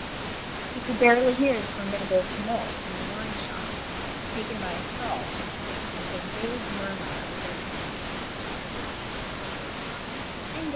He could barely hear the formidable tumult in the wine shop, taken by assault, like a vague murmur overhead.